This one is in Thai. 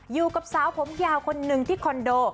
อยู่กับสาวผมยาวคนหนึ่งที่คอนโด